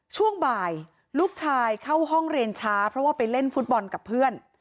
ช่วงบ่ายลูกชายเข้าห้องเรียนช้าเพราะว่าไปเล่นฟุตบอลกับเพื่อน